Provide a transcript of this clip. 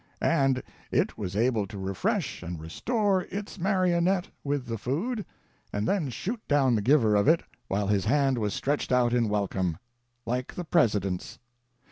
and It was able to refresh and restore Its marionette with the food, and then shoot down the giver of it while his hand was stretched out in welcome — like the President's.